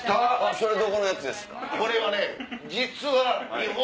それどこのやつですか？